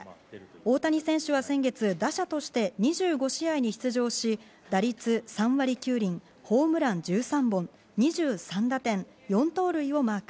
大谷選手は先月、打者として２５試合に出場し、打率３割９厘、ホームラン１３本、２３打点、４盗塁をマーク。